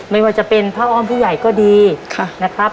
ไม่ว่าจะเป็นพระอ้อมผู้ใหญ่ก็ดีนะครับ